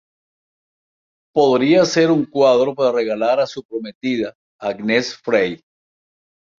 Podría ser un cuadro para regalar a su prometida, Agnes Frey.